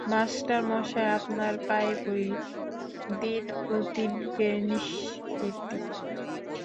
মাস্টারমশায়, আপনার পায়ে পড়ি, দিন অতীনকে নিষ্কৃতি।